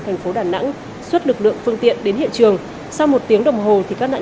thành phố đà nẵng xuất lực lượng phương tiện đến hiện trường sau một tiếng đồng hồ thì các nạn